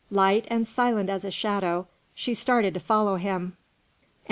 Light and silent as a shadow, she started to follow him.